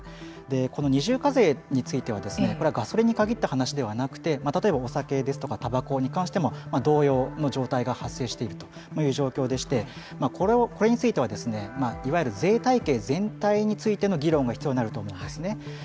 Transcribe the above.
この二重課税についてはこれはガソリンに限った話ではなくて例えば、お酒ですとかたばこに関しても同様の状態が発生しているという状況でしてこれについてはいわゆる税体系全体についての議論が必要になると思うんですね。